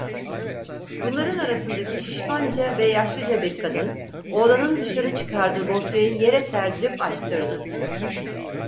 Bunların arasındaki şişmanca ve yaşlıca bir kadın oğlanın dışarı çıkardığı bohçayı yere serdirip açtırdı.